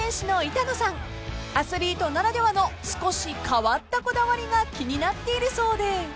［アスリートならではの少し変わったこだわりが気になっているそうで］